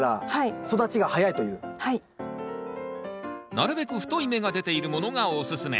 なるべく太い芽が出ているものがおすすめ。